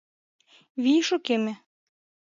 Вий шукеме.